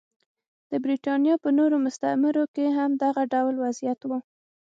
د برېټانیا په نورو مستعمرو کې هم دغه ډول وضعیت و.